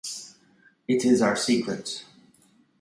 It is our secret.